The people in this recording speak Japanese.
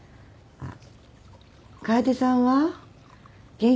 あっ。